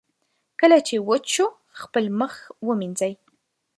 کله چې وچ شو، خپل مخ ومینځئ.